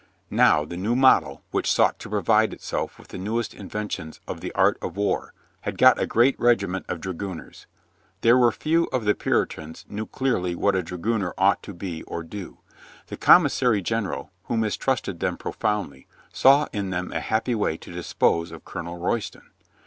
Now, the New Model, which sought to provide itself with the newest inventions of the art of war, had got a great regiment of dragooners. There were few of the Puritans knew clearly what a dragooner ought to be or do. The commissary general, who mistrusted them profoundly, saw in them a happy way to dispose of Colonel Royston.